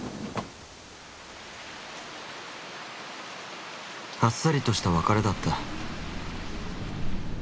あっさりとした別れだった。